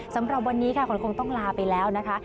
สำหรับวันนี้ค่ะขนคงต้องลาไปแล้วนะคะ